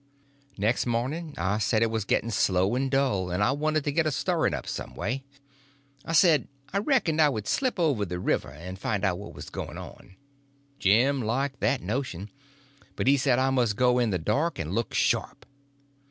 Next morning I said it was getting slow and dull, and I wanted to get a stirring up some way. I said I reckoned I would slip over the river and find out what was going on. Jim liked that notion; but he said I must go in the dark and look sharp.